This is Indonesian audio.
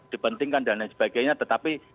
dipentingkan dan lain sebagainya tetapi